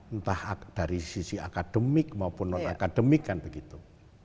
entah dari sisi akademik maupun non akademik kan begitu